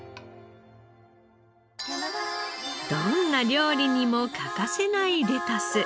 どんな料理にも欠かせないレタス。